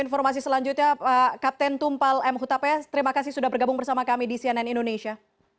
informasi selanjutnya kapten tumpal m hutapes terima kasih sudah bergabung bersama kami di cnn indonesia